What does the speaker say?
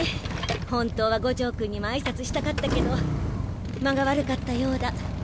本当は五条君にも挨拶したかったけど間が悪かったようだ。